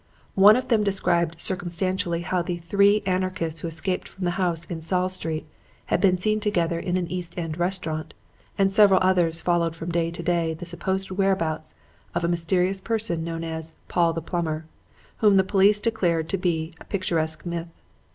One of them described circumstantially how 'the three anarchists who escaped from the house in Saul Street' had been seen together in an East End restaurant; and several others followed from day to day the supposed whereabouts of a mysterious person known as 'Paul the Plumber,' whom the police declared to be a picturesque myth.